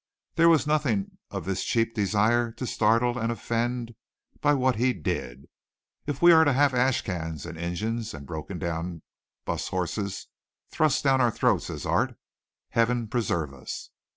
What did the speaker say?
There was nothing of this cheap desire to startle and offend by what he did. If we are to have ash cans and engines and broken down bus horses thrust down our throats as art, Heaven preserve us.